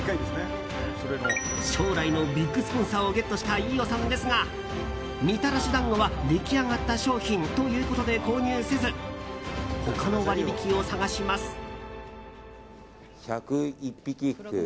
将来のビッグスポンサーをゲットした飯尾さんですがみたらし団子は出来上がった商品ということで購入せず、他の割引を探します。